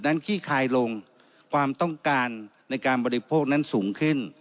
ขี้คายลงความต้องการในการบริโภคนั้นสูงขึ้น